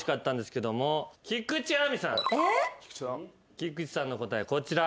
菊地さんの答えこちら。